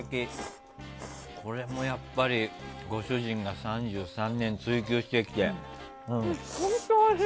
これもやっぱりご主人が３３年追求してきて。